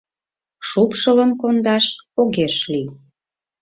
Шупшылын кондаш огеш лий.